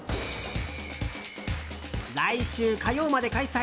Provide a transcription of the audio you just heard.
来週、火曜まで開催。